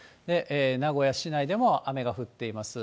名古屋市内でも雨が降っています。